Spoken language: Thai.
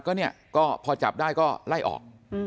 ก็เนี่ยก็พอจับได้ก็ไล่ออก